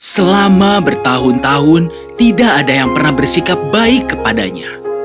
selama bertahun tahun tidak ada yang pernah bersikap baik kepadanya